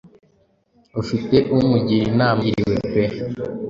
Ufite umugira Inama aba yarahiriwe pe.